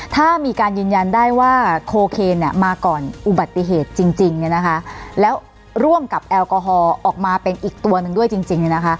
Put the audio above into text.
ถ้ามีการยืนยันได้ว่าโคเคนมาก่อนอุบัติเหตุจริงแล้วร่วมกับแอลกอฮอล์ออกมาเป็นอีกตัวหนึ่งด้วยจริง